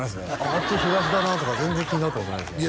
あっち東だなとか全然気になったことないですね